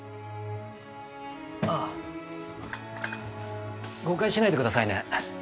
あぁ誤解しないでくださいね。